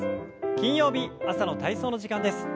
金曜日朝の体操の時間です。